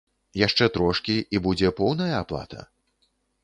Яшчэ трошкі, і будзе поўная аплата?